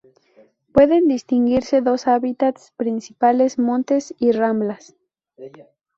Pueden distinguirse dos hábitats principales, montes y ramblas.